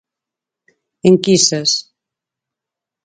Enquisas.